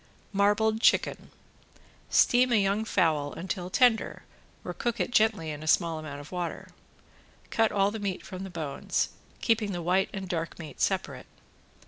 ~MARBLED CHICKEN~ Steam a young fowl until tender or cook it gently in a small amount of water. Cut all the meat from the bones, keeping the white and dark meat separate.